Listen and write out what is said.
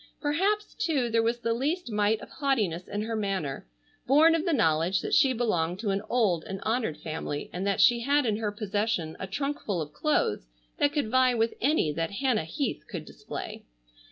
Perhaps too there was the least mite of haughtiness in her manner, born of the knowledge that she belonged to an old and honored family, and that she had in her possession a trunk full of clothes that could vie with any that Hannah Heath could display.